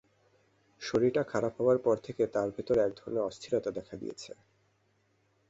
শরীরটা খারাপ হবার পর থেকে তাঁর ভেতর একধরনের অস্থিরতা দেখা দিয়েছে।